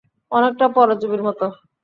অনেকটা পরজীবির মতো।